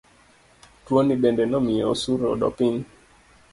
Tuoni bende nomiyo osuru odok piny.